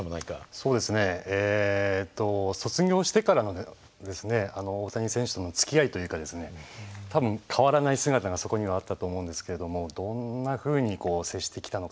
そうですねえっと卒業してからですね大谷選手とのつきあいというか多分変わらない姿がそこにはあったと思うんですけれどもどんなふうに接してきたのかなと聞きたいですね。